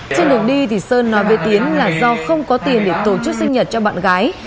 trên đường đi sơn nói với tiến là do không có tiền để tổ chức sinh nhật cho bạn gái